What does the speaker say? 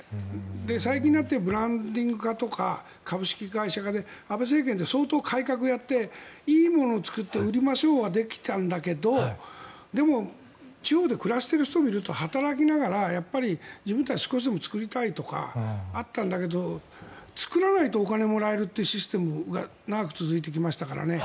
最近になってブランディング化とか株式会社化で安倍政権で相当改革をやっていいものを作って売りましょうはできたけどでも地方で暮らしている人を見ると働きながら自分たちで少しでも作りたいとかあったんだけど作らないとお金もらえるというシステムが長く続きましたからね。